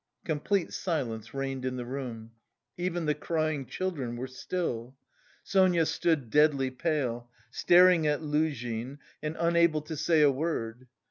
Complete silence reigned in the room. Even the crying children were still. Sonia stood deadly pale, staring at Luzhin and unable to say a word.